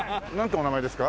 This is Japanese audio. お名前ですか？